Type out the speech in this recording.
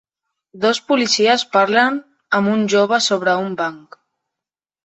Dos policies parlen amb un jove sobre un banc.